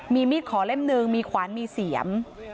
มีมีดขอเล่มหนึ่งมีขวานมีเสียม